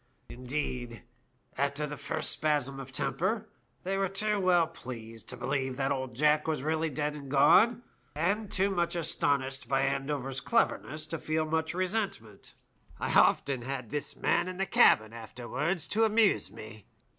Indeed, after the first spasm of temper, they were too well pleased to believe that old Jack was 208 CAN THESE DRY BONES LIVE1 really dead and gone, and too much astonished by Andover's cleverness to feel much resentment, " I often had this man in the cabin afterwards to amuse me.